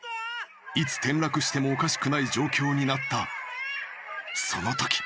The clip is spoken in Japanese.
［いつ転落してもおかしくない状況になったそのとき］